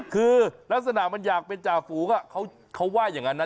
คือลักษณะมันอยากเป็นจ่าฝูงเขาว่าอย่างนั้นนะ